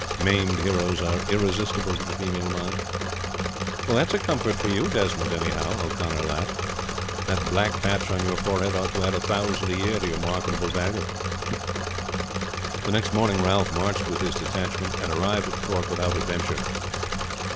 Maimed heroes are irresistible to the female mind." "That's a comfort for you, Desmond, anyhow," O'Connor laughed. "That black patch on your forehead ought to add a thousand a year to your marketable value." The next morning Ralph marched with his detachment, and arrived at Cork without adventure.